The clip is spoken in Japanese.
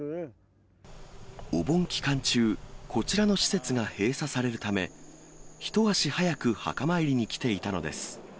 お盆期間中、こちらの施設が閉鎖されるため、一足早く墓参りに来ていたのです。